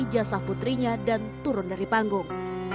ijazah putrinya dan turun dari panggung